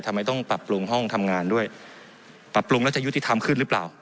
ทำไมต้องปรับปรุงห้องทำงานด้วยปรับปรุงแล้วจะยุติธรรมขึ้นหรือเปล่า